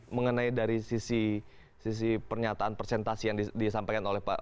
mengenai dari sisi pernyataan presentasi yang disampaikan oleh pak